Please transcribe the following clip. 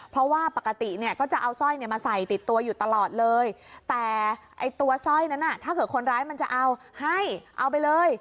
เพราะว่าปกติเนี่ยก็จะเอาสร้อยเนี่ยมาใส่ติดตัวอยู่ตลอดเลยแต่ไอ้ตัวสร้อยนั้นถ้าเกิดคนร้ายมันจะเอาให้เอาไปเลย